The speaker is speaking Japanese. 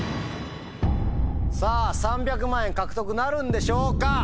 さぁ３００万円獲得なるんでしょうか？